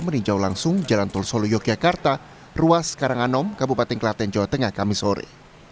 meninjau langsung jalan tol solo yogyakarta ruas karanganom kabupaten klaten jawa tengah kamisore